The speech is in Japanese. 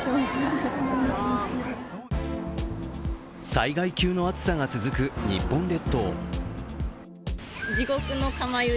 災害級の暑さが続く日本列島。